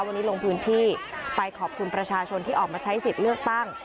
วันนี้ลงพื้นที่ไปขอบคุณประชาชนที่ออกมาใช้สิทธิ์เลือกตั้ง